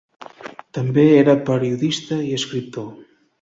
També era periodista i escriptor.